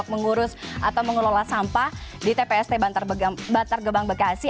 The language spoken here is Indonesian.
mengurus atau mengelola sampah di tpst bantar gebang bekasi